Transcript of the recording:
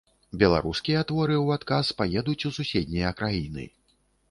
Беларускія творы у адказ паедуць у суседнія краіны.